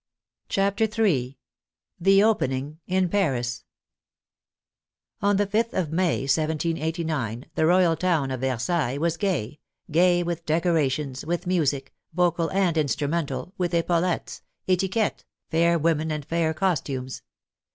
CHAPTER III THE OPENING IN PARIS On the 5th of May, 1789, the royal town of Versailles was gay — gay with decorations, with music, vocal and instrumental, with epaulettes, " etiquettes,'* fair women, and fair costumes.